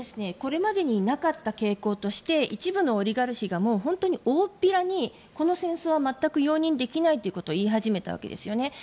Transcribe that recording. これまでになかった傾向として一部のオリガルヒが大っぴらにこの戦争は全く容認できないということを言い始めたわけですよね。